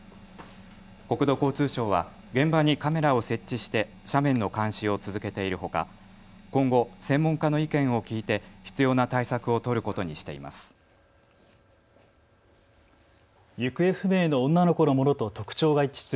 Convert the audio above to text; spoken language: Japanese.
国土交通省は現場にカメラを設置して斜面の監視を続けているほか今後、専門家の意見を聞いて必要な対策を取ることにしています。